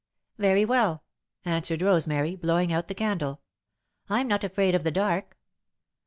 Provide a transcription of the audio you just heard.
"Very well," answered Rosemary, blowing out the candle. "I'm not afraid of the dark."